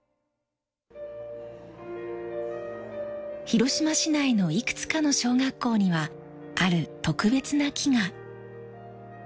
広島市内のいくつかの小学校にはある特別な木が。